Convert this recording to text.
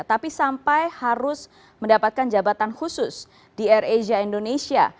tapi sampai harus mendapatkan jabatan khusus di air asia indonesia